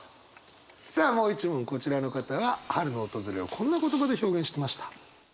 さあもう一問こちらの方は春の訪れをこんな言葉で表現してました。